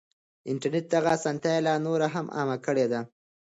انټرنټ دغه اسانتيا لا نوره هم عامه کړې ده.